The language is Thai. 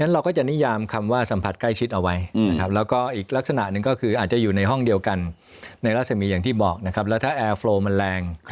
แล้วถ้าแอร์โฟร์มันแรง